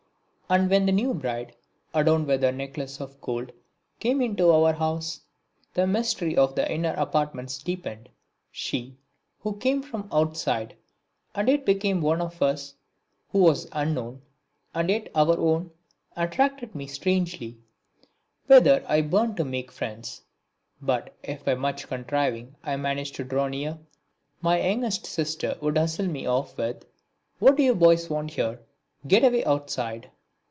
And when the new bride, adorned with her necklace of gold, came into our house, the mystery of the inner apartments deepened. She, who came from outside and yet became one of us, who was unknown and yet our own, attracted me strangely with her I burned to make friends. But if by much contriving I managed to draw near, my youngest sister would hustle me off with: "What d'you boys want here get away outside."